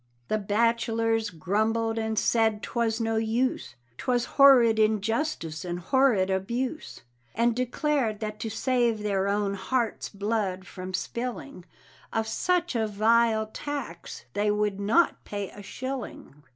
The bachelors grumbled and said 'twas no use 'Twas horrid injustice and horrid abuse, And declared that to save their own hearts' blood from spilling, Of such a vile tax they would not pay a shilling.